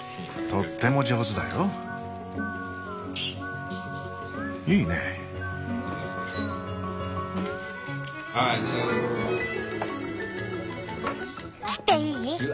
とっても上手だよ。いいね。切っていい？